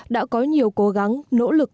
đã có nhiều cố gắng nỗ lực